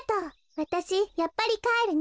わたしやっぱりかえるね。